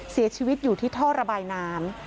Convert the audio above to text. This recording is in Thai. เสียชีวิตอยู่ที่ท่อระบายน้ำ